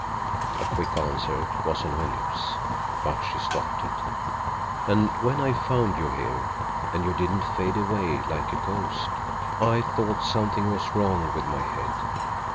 A quick answer was on her lips, but she stopped it. "And when I found you here, and you didn't fade away like a ghost, I thought something was wrong with my head.